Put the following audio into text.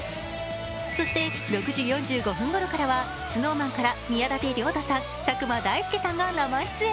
そして６時４５分ごろからはＳｎｏｗＭａｎ、宮舘涼太さん、佐久間大介さんが生出演。